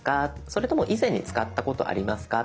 それとも以前に使ったことありますか。